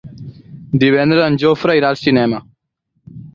Divendres en Jofre irà al cinema.